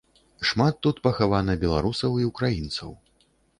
Шмат тут пахавана беларусаў і ўкраінцаў.